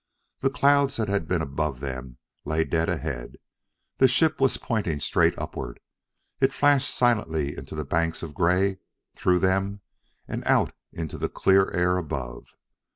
The clouds that had been above them lay dead ahead; the ship was pointing straight upward. It flashed silently into the banks of gray, through them, and out into clear air above.